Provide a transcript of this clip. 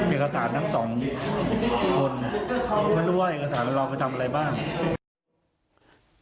เอกสารทั้งสองคนไม่รู้ว่าเอกสารมันรอไปทำอะไรบ้าง